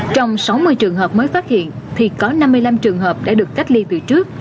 trong sáu mươi trường hợp mới phát hiện thì có năm mươi năm trường hợp đã được cách ly từ trước